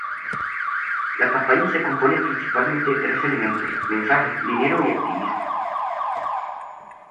La campaña se compone principalmente de tres elementos: mensaje, dinero y activismo.